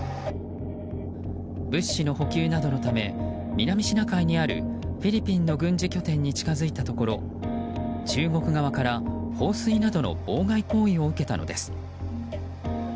物資の補給などのため南シナ海にあるフィリピンの軍事拠点に近づいたところ中国側から放水などの妨害行為を受けたのです。